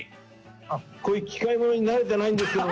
こういう機械ものに慣れてないんですけど。